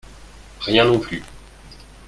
Rien non plus